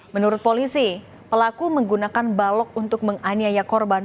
menurut polisi pelaku menggunakan balok untuk menganiaya korban